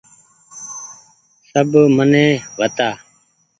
سب مني وتآ ۔